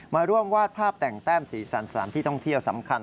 มาร่วมวาดภาพแต่งแต้มสีสันสถานที่ท่องเที่ยวสำคัญ